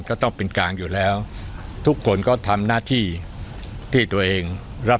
ก็ต้องเป็นกลางอยู่แล้วทุกคนก็ทำหน้าที่ที่ตัวเองรับ